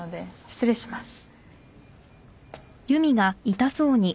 失礼します。